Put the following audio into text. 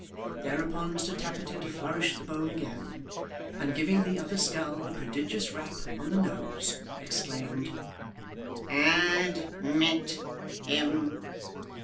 Thereupon Mr Tappertit flourished the bone again, and giving the other skull a prodigious rap on the nose, exclaimed 'Admit him!